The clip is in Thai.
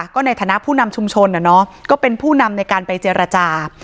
ก็ในฐานะผู้นำชุมชนก็เป็นผู้นำในการไปเจรจา